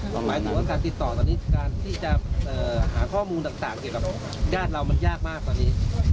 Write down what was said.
หมายถึงว่าการติดต่อตอนนี้การที่จะหาข้อมูลต่างเกี่ยวกับญาติเรามันยากมากตอนนี้